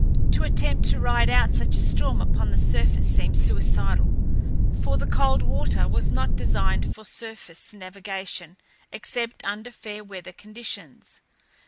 To attempt to ride out such a storm upon the surface seemed suicidal, for the Coldwater was not designed for surface navigation except under fair weather conditions.